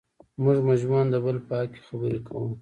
موږ مجموعاً د بل په حق کې خبرې کوو.